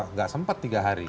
nggak sempat tiga hari